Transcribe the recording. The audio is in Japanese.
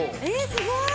すごい！